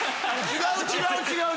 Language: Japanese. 違う違う！